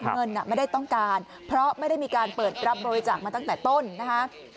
เงินไม่ได้ต้องการเพราะไม่ได้มีการเปิดรับบริจาคมาตั้งแต่ต้นนะคะ